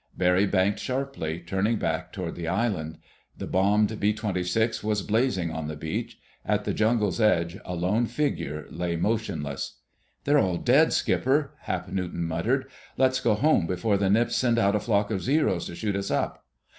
Barry banked sharply, turning back toward the island. The bombed B 26 was blazing on the beach. At the jungle's edge a lone figure lay motionless. "They're all dead, Skipper," Hap Newton muttered. "Let's go home before the Nips send out a flock of Zeros to shoot us up...."